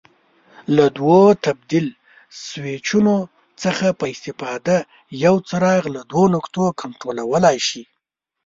له دوو تبدیل سویچونو څخه په استفاده یو څراغ له دوو نقطو کنټرولولای شي.